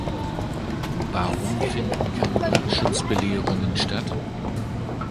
Warum finden keine Brandschutzbelehrungen statt?